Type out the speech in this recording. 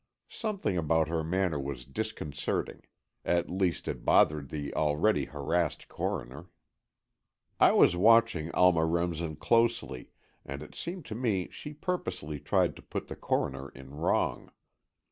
Something about her manner was disconcerting. At least, it bothered the already harassed Coroner. I was watching Alma Remsen closely, and it seemed to me she purposely tried to put the Coroner in wrong.